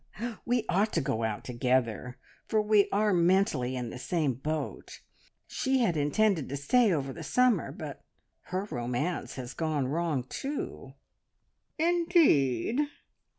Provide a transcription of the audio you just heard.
"We ought to go out together, for we are mentally in the same boat. She had intended to stay over the summer, but ... her romance has gone wrong too!" "Indeed!"